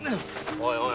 おいおい